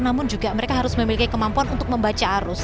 namun juga mereka harus memiliki kemampuan untuk membaca arus